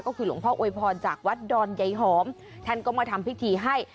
ก็คือหลวงพ่ออวยพรจากวัดดอนใยหอมท่านก็มาทำพิธีให้